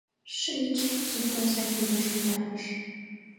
— Шич... — суртоза кидым шуйдарыш.